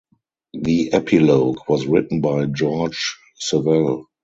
The epilogue was written by George Sewell.